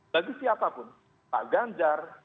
bagi siapapun pak ganjar